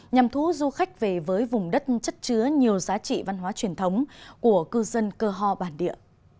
nhằm thú du khách về với vùng đất chất chứa nhiều giá trị văn hóa truyền thống của cư dân cơ ho bản địa